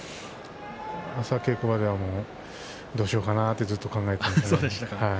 朝、稽古場ではどうしようかなとずっと考えていましたね。